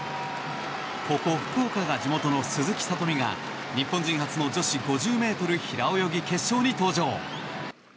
ここ福岡が地元の鈴木聡美が日本人初の女子５０ｍ平泳ぎ決勝に登場。